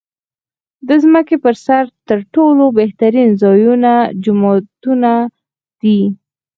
د ځمکې پر سر تر ټولو بهترین ځایونه جوماتونه دی .